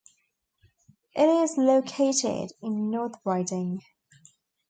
It is located in Northriding.